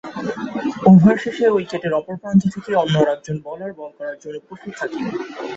Over শেষে উইকেটের অপর প্রান্ত থেকে অন্য আরেকজন বোলার বল করার জন্য প্রস্তুত থাকেন।